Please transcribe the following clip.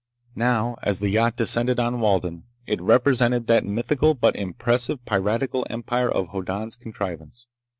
Now, as the yacht descended on Walden, it represented that mythical but impressive piratical empire of Hoddan's contrivance.